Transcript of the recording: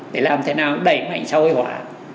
để làm thế nào đẩy mạnh xã hội hỏa